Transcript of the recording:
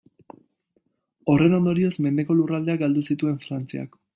Horren ondorioz, mendeko lurraldeak galdu zituen Frantziak.